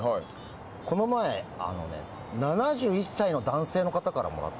この前、７１歳の男性の方からもらって。